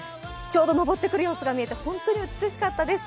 ちょうど昇ってくる様子が見えて美しかったです。